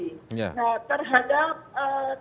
misalnya remisi pelepasan bersyarat maupun asimilasi